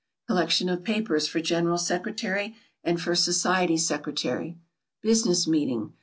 Collection of papers for General Secretary and for Society Secretary. Business meeting.